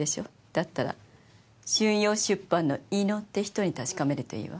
だったら春陽出版の猪野って人に確かめるといいわ。